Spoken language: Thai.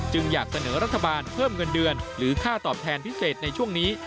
อยากเสนอรัฐบาลเพิ่มเงินเดือนหรือค่าตอบแทนพิเศษในช่วงนี้